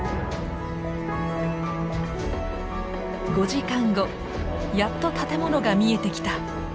５時間後やっと建物が見えてきた！